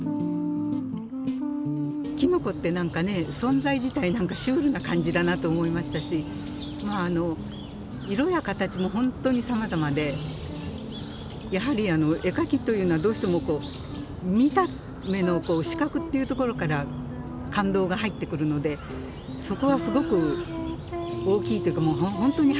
きのこって何かね存在自体何かシュールな感じだなと思いましたし色や形も本当にさまざまでやはり絵描きというのはどうしても見た目の視覚っていうところから感動が入ってくるのでそこはすごく大きいというか本当にはじめはそうですね。